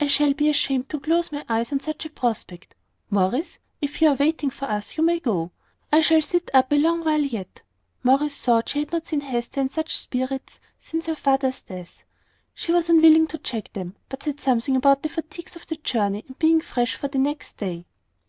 "I shall be ashamed to close my eyes on such a prospect. Morris, if you are waiting for us, you may go. I shall sit up a long while yet." Morris thought she had not seen Hester in such spirits since her father's death. She was unwilling to check them, but said something about the fatigues of the journey, and being fresh for the next day.